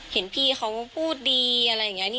เห็นพี่เขาพูดดีอะไรอย่างนี้